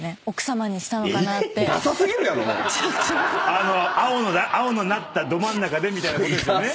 あの青になったど真ん中でみたいなことですね。